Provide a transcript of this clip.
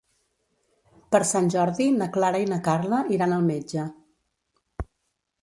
Per Sant Jordi na Clara i na Carla iran al metge.